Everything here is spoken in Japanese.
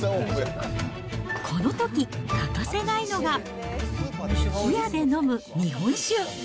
このとき、欠かせないのが冷やで飲む日本酒。